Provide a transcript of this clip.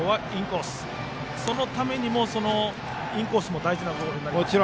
そのためにもインコースも大事なボールになりますね。